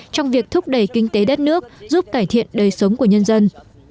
trong việc thúc đẩy kinh tế đất nước giúp cải thiện đời sống của nhân dân